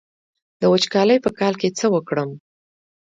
د وچکالۍ په کال کې څه وکړم؟